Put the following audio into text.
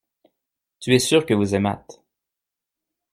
Tu es sûr que vous aimâtes.